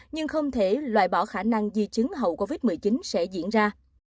nhưng không thể loại bỏ khả năng di chứng hậu covid một mươi chín sẽ diễn ra